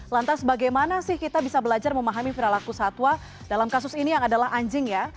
lantas bagaimana sih kita bisa belajar memahami perilaku satwa dalam kasus ini yang adalah anjing ya